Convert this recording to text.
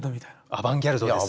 アバンギャルドですね。